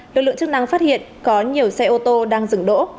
lực lượng chức năng phát hiện có nhiều xe ô tô đang dừng đỗ